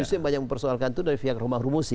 biasanya banyak mempersoalkan itu dari pihak romah hurmusi